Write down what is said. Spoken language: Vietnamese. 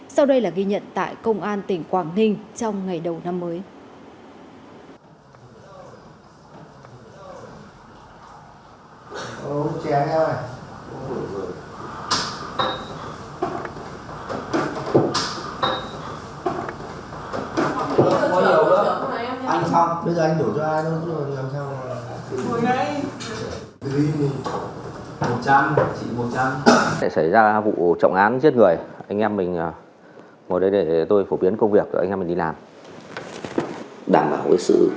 sau đây là ghi nhận tại công an tỉnh quảng ninh trong ngày đầu năm mới